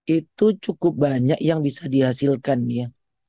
itu cukup banyak yang bisa dihasilkan ya